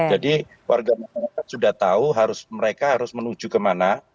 jadi warga masyarakat sudah tahu mereka harus menuju kemana